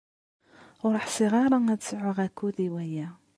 Ur ḥṣiɣ ara ad sɛuɣ akud i waya.